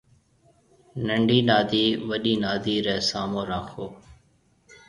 ننڊِي نادِي وڏِي نادِي رَي سامون راکو